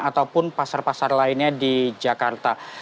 ataupun pasar pasar lainnya di jakarta